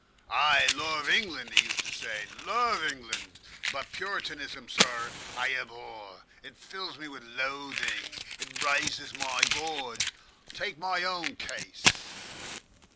"I lurve England," he used to say "lurve England, but Puritanism, sorr, I abhor. It fills me with loathing. It raises my gorge. Take my own case."